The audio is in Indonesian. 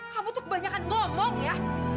kamu tuh kebanyakan bohong ya